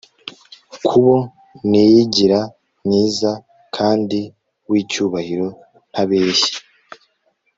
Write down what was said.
Kubo niyigira mwiza kandi wicyubahiro ntabeshya